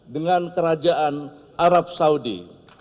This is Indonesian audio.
dengan kerajaan arab saudi